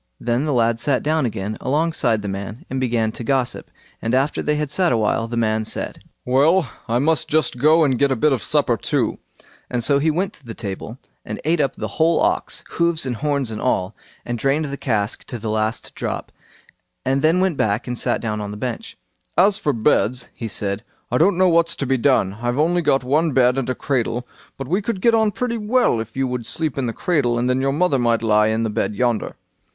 Then the lad sat down again alongside the man and began to gossip, and after they had sat a while, the man said, "Well! I must just go and get a bit of supper too"; and so he went to the table and ate up the whole ox—hoofs, and horns, and all—and drained the cask to the last drop, and then went back and sat on the bench. As for beds", he said, "I don't know what's to be done. I've only got one bed and a cradle; but we could get on pretty well if you would sleep in the cradle, and then your mother might lie in the bed yonder."